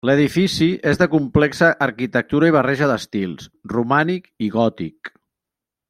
L'edifici és de complexa arquitectura i barreja d'estils: romànic i gòtic.